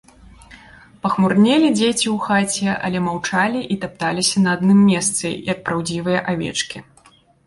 Пахмурнелі дзеці ў хаце, але маўчалі і тапталіся на адным месцы, як праўдзівыя авечкі.